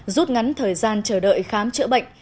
rút ngắn thời gian chờ đợi khám chữa bệnh